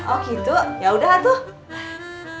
oh gitu yaudah tuh